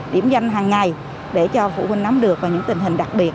điểm danh hàng ngày để cho phụ huynh nắm được những tình hình đặc biệt